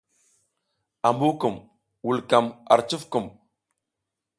Ambu kum vulkam ar cufkum.